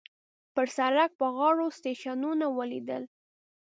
په سړک په غاړو سټیشنونه وليدل.